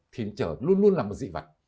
thì nó trở luôn luôn là một dị vật